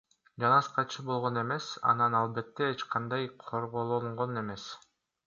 Жансакчы болгон эмес, анан албетте эч кандай корголгон эмес.